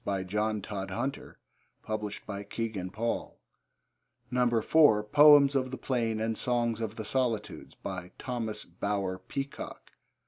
By John Todhunter. (Kegan Paul.) (4) Poems of the Plain and Songs of the Solitudes. By Thomas Bower Peacock.